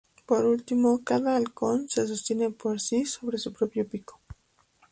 Por último, cada halcón se sostiene por sí sobre su propio pico.